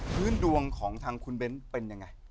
พื้นดวงของทางคุณเบ้นเป็นยังไง